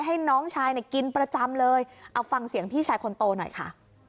ให้น้องชายเนี่ยกินประจำเลยเอาฟังเสียงพี่ชายคนโตหน่อยค่ะ